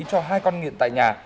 cho hai con nghiện tại nhà